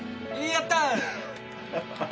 やった！